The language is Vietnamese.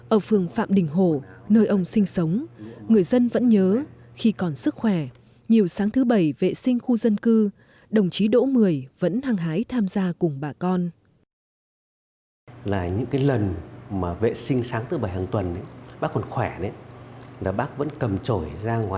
ở phường phạm đình hồ nơi ông sinh sống người dân vẫn nhớ khi còn sức khỏe nhiều sáng thứ bảy vệ sinh khu dân cư đồng chí đỗ mười vẫn hăng hái tham gia cùng bà con